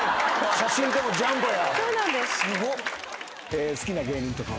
写真でもジャンボや。